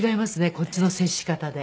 こっちの接し方で。